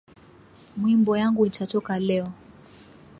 Mwimbo yangu itatoka leo